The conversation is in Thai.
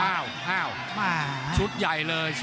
อ้าวชุดใหญ่เลย